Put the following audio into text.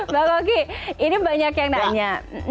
mbak gogi ini banyak yang nanya